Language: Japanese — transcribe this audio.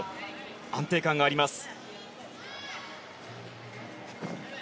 安定感があります。